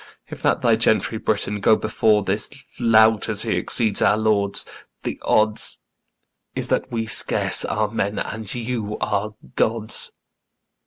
If that thy gentry, Britain, go before This lout as he exceeds our lords, the odds Is that we scarce are men, and you are gods.